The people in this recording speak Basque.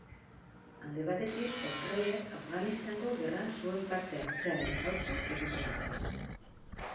Alde batetik, Australiak Afganistango gerran zuen parte hartzearen aurka egiteagatik.